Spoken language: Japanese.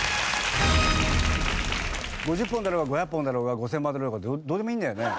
５０本だろうが５００本だろうが５０００本だろうがどうでもいいんだよね？